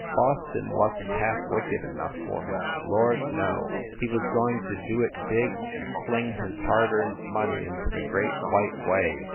Boston wasn t half wicked enough for him, lord, no! He was going to do it big and fling his hard earned money into the Great White Way.